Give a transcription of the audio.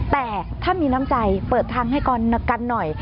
แต่ถ้ามีน้ำใจเปิดทางให้กันหน่อย